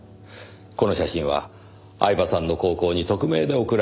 この写真は饗庭さんの高校に匿名で送られてきたそうです。